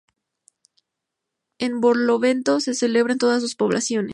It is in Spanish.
En Barlovento se celebra en todas sus poblaciones.